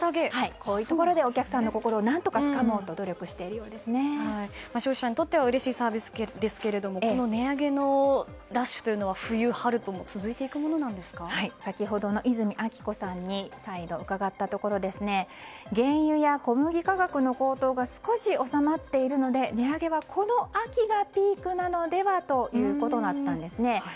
こういうところでお客さんの心を何とかつかもうと消費者にとってはうれしいサービスですけれどもこの値上げラッシュというのは先ほどの和泉昭子さんに再度、伺ったところ原油や小麦価格の高騰が少し収まっているので値上げはこの秋がピークなのではということだったんですね。